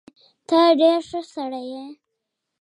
ته ډېر ښه سړی يې.